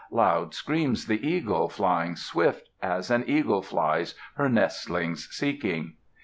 Loud screams the eagle, flying swift, As an eagle flies, her nestlings seeking.